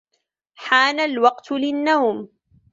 حان الوقت للنوم.